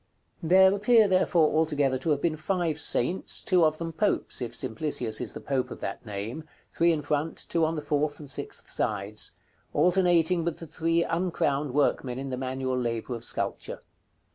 There appear, therefore, altogether to have been five saints, two of them popes, if Simplicius is the pope of that name (three in front, two on the fourth and sixth sides), alternating with the three uncrowned workmen in the manual labor of sculpture.